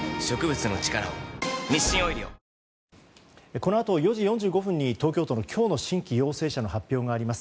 このあと、４時４５分に東京都の今日の新規陽性者の発表があります。